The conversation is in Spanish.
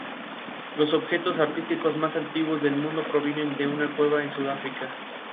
Los objetos artísticos más antiguos del mundo provienen de una cueva en Sudáfrica.